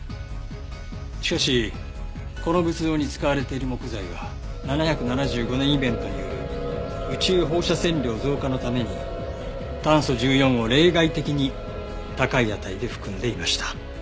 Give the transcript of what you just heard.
しかしこの仏像に使われている木材は７７５年イベントによる宇宙放射線量増加のために炭素１４を例外的に高い値で含んでいました。